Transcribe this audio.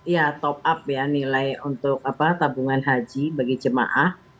ya top up ya nilai untuk tabungan haji bagi jemaah